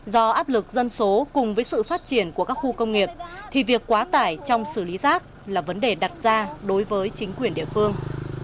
do áp lực dân số cùng với sự phát triển của các khu công nghiệp thì việc quá tải trong xử lý rác là vấn đề đặt ra đối với chính quyền địa phương